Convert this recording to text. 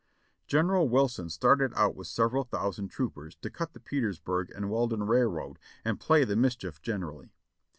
General Wilson started out with several thousand troopers to cut the Petersburg and Welden Railroad and play the mischief generally.